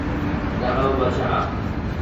দাঁড়াও, বাছা।